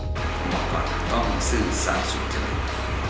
ผมบอกก่อนต้องสื่อสารสูญจริง